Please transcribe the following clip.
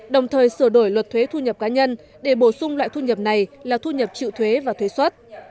đồng thời sửa đổi luật thuế thu nhập cá nhân để bổ sung loại thu nhập này là thu nhập chịu thuế và thuế xuất